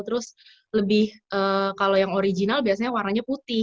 terus kalau yang original bisa warnanya putih